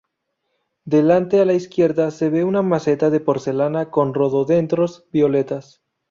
Delante, a la izquierda, se ve una maceta de porcelana con rododendros violetas.